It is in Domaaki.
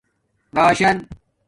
راشن